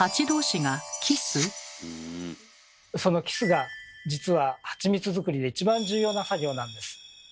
そのキスが実はハチミツ作りで一番重要な作業なんです。